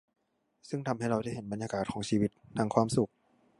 ซึ่งทำให้เราได้เห็นบรรยากาศของชีวิตทั้งความสุข